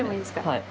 はい。